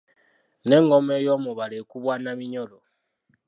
N'engoma ey’omubala ekubwa na minyolo.